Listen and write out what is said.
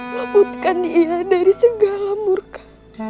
lembutkan dia dari segala murka